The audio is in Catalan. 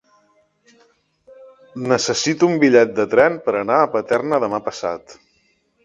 Necessito un bitllet de tren per anar a Paterna demà passat.